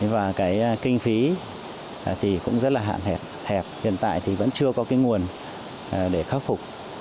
và kinh phí cũng rất là hạn hẹp hiện tại vẫn chưa có nguồn để khắc phục